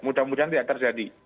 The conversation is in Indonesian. mudah mudahan tidak terjadi